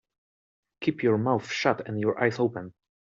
Keep your mouth shut and your eyes open.